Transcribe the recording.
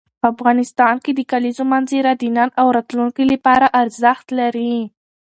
افغانستان کې د کلیزو منظره د نن او راتلونکي لپاره ارزښت لري.